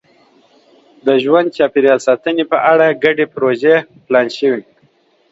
د ژوند چاپېریال ساتنې په اړه ګډې پروژې پلان شوي.